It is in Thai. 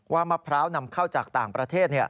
มะพร้าวนำเข้าจากต่างประเทศ